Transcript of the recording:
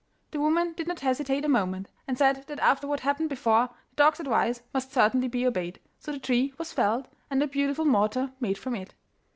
The woman did not hesitate a moment, and said that after what had happened before, the dog's advice must certainly be obeyed, so the tree was felled, and a beautiful mortar made from it.